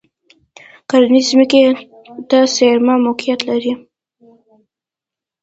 کرنیزې ځمکې ته څېرمه موقعیت لري.